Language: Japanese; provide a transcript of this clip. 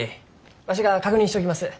わしが確認しちょきます。